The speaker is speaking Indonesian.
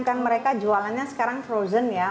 kan mereka jualannya sekarang frozen ya